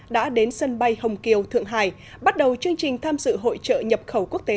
đã đến sân bay hồng kiều thượng hải bắt đầu chương trình tham dự hội trợ nhập khẩu quốc tế